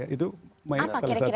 itu main salah satunya